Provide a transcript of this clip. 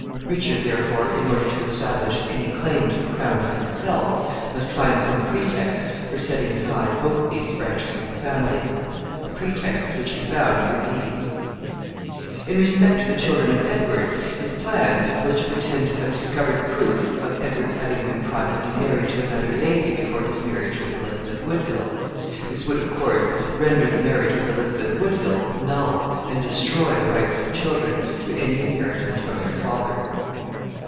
Richard therefore, in order to establish any claim to the crown for himself, must find some pretext for setting aside both these branches of the family. The pretexts which he found were these. [Illustration: CLARENCE'S CHILDREN HEARING OF THEIR FATHER'S DEATH.] In respect to the children of Edward, his plan was to pretend to have discovered proof of Edward's having been privately married to another lady before his marriage with Elizabeth Woodville. This would, of course, render the marriage with Elizabeth Woodville null, and destroy the rights of the children to any inheritance from their father.